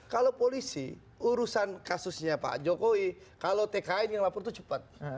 kalau polisi urusan kasusnya pak jokowi kalau tkn yang lapor itu cepat